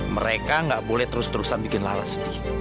mereka gak boleh terus terusan bikin lara sedih